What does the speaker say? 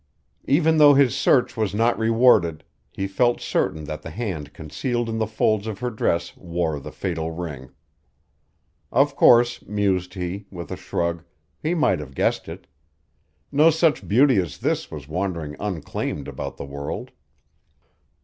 Even though his search was not rewarded, he felt certain that the hand concealed in the folds of her dress wore the fatal ring. Of course, mused he, with a shrug, he might have guessed it. No such beauty as this was wandering unclaimed about the world.